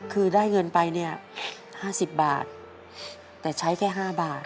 คือได้เงินไปเนี่ย๕๐บาทแต่ใช้แค่๕บาท